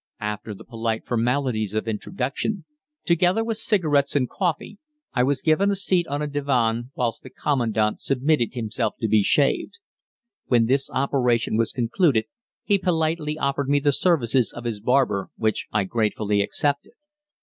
After the polite formalities of introduction, together with cigarettes and coffee, I was given a seat on a divan whilst the Commandant submitted himself to be shaved. When this operation was concluded, he politely offered me the services of his barber, which I gratefully accepted.